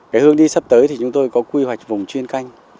cái hướng đi sắp tới thì chúng tôi có quy hoạch vùng chuyên canh